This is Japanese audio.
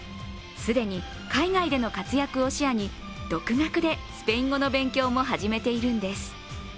既に海外での活躍を視野に独学でスペイン語の勉強も始めているんです。